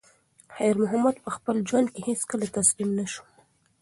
خیر محمد په خپل ژوند کې هیڅکله تسلیم نه شو.